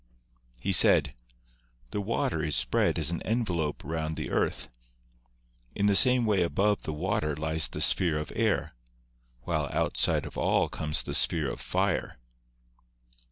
He said: "The water is spread as an envelope round the earth ; in the same way above the water lies the sphere of air, while outside of all comes the sphere of fire."